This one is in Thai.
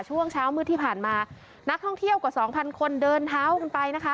ช่วงเช้ามืดที่ผ่านมานักท่องเที่ยวกว่าสองพันคนเดินเท้ากันไปนะคะ